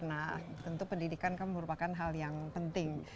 nah tentu pendidikan kan merupakan hal yang penting